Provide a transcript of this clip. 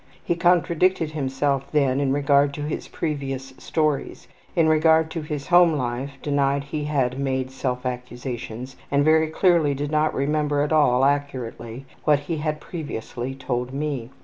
He contradicted himself then in regard to his previous stories, in regard to his home life, denied he had made self accusations, and very clearly did not remember at all accurately what he had previously told me.